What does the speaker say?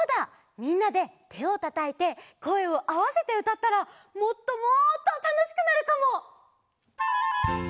みんなでてをたたいてこえをあわせてうたったらもっともっとたのしくなるかも！